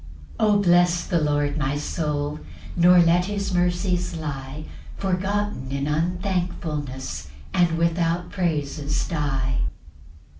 2 O bless the Lord, my soul; Nor let his mercies lie Forgotten in unthankfulness, And without praises die.